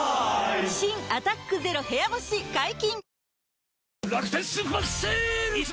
新「アタックＺＥＲＯ部屋干し」解禁‼